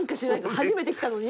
初めて来たのに？